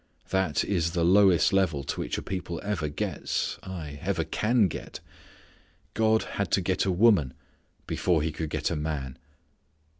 That is the lowest level to which a people ever gets, aye, ever can get. God had to get a woman before He could get a man.